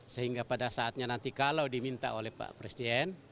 sehingga pada saatnya nanti kalau diminta oleh pak presiden